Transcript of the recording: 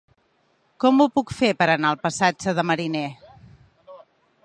Com ho puc fer per anar al passatge de Mariner?